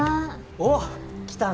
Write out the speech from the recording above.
おっ来たな。